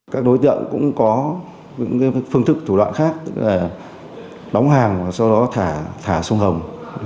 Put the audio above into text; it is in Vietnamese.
các đối tiện cũng có những phương thức thủ đoạn khác đóng hàng và sau đó thả sông hồng